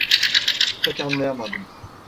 Pek anlayamadım.